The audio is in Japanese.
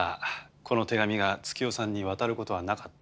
この手紙が月代さんに渡る事はなかった。